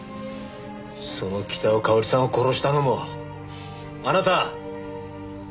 その北尾佳織さんを殺したのもあなた！？